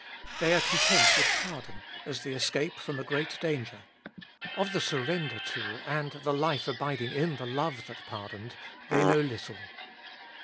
They are content with pardon, as the escape from a great danger ; of the surrender to, and the life abiding in the love that pardoned, they know little.